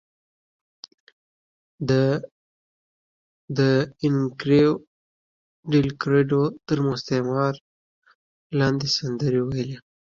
ده د اینریکو ډیلکریډو تر مستعار نامه لاندې سندرې ویلې.